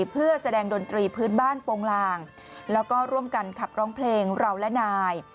เพื่อแสดงดนตรีพื้นบ้านโปรงลางแล้วก็ร่วมกันขับร้องเพลงเราและนาย